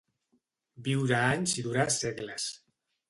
Viure anys i durar segles.